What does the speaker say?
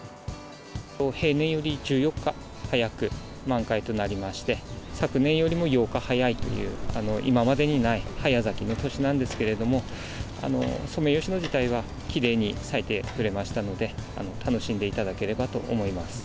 平年より１４日早く満開となりまして、昨年よりも８日早いという、今までにない早咲きの年なんですけれども、ソメイヨシノ自体はきれいに咲いてくれましたので、最高だね。